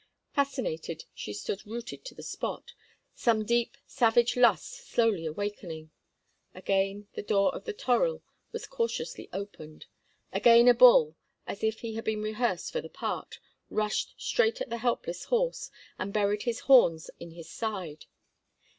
Fascinated, she stood rooted to the spot, some deep, savage lust slowly awakening. Again the door of the toril was cautiously opened; again a bull, as if he had been rehearsed for the part, rushed straight at the helpless horse and buried his horns in his side.